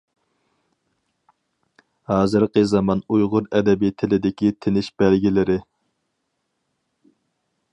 ھازىرقى زامان ئۇيغۇر ئەدەبىي تىلىدىكى تىنىش بەلگىلىرى.